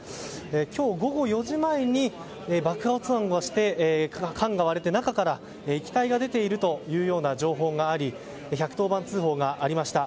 今日午後４時前に爆発音がして缶が割れて中から液体が出ているという情報があり１１０番通報がありました。